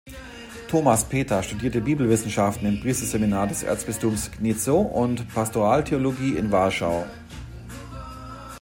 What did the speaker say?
Tomasz Peta studierte Bibelwissenschaften im Priesterseminar des Erzbistums Gniezno und Pastoraltheologie in Warschau.